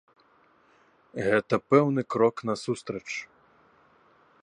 Гэта пэўны крок насустрач.